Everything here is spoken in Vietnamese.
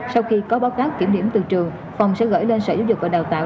sau khi có báo cáo kiểm điểm từ trường phòng sẽ gửi lên sở giáo dục và đào tạo